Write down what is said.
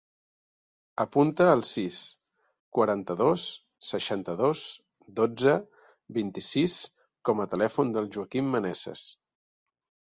Apunta el sis, quaranta-dos, seixanta-dos, dotze, vint-i-sis com a telèfon del Joaquín Meneses.